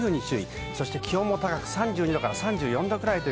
気温も高く３２度から３４度くらい。